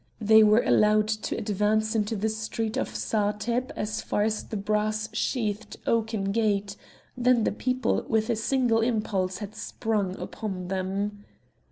They were allowed to advance into the street of Satheb as far as the brass sheathed oaken gate; then the people with a single impulse had sprung upon them.